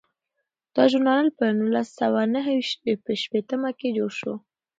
دا ژورنال په نولس سوه نهه شپیته کې جوړ شو.